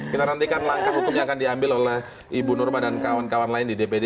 kita nantikan langkah hukum yang akan diambil oleh ibu nurma dan kawan kawan lain di dpd